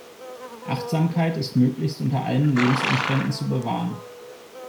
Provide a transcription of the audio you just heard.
Achtsamkeit ist möglichst unter allen Lebensumständen zu bewahren.